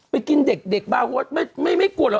ไปกินเด็กบ้าวว่าไม่กลัวเหรอ